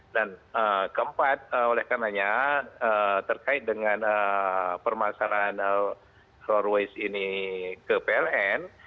dan keempat oleh karenanya terkait dengan permasalahan floor waste ini ke pln